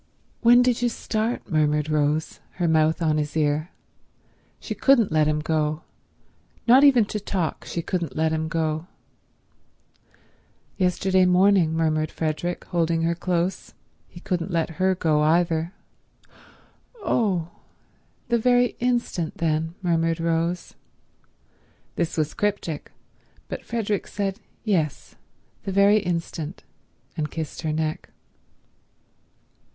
"When did you start?" murmured Rose, her mouth on his ear. She couldn't let him go; not even to talk she couldn't let him go. "Yesterday morning," murmured Frederick, holding her close. He couldn't let her go either. "Oh—the very instant then," murmured Rose. This was cryptic, but Frederick said, "Yes, the very instant," and kissed her neck.